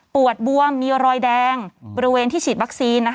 ปวดบวมมีรอยแดงบริเวณที่ฉีดวัคซีน